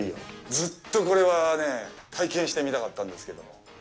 ずっとこれはね体験してみたかったんですけども。